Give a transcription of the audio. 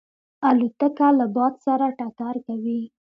الوتکه له باد سره ټکر کوي.